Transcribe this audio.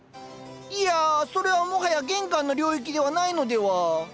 いやそれはもはや玄関の領域ではないのでは？